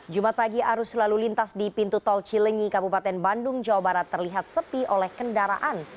jumat pagi arus lalu lintas di pintu tol cilenyi kabupaten bandung jawa barat terlihat sepi oleh kendaraan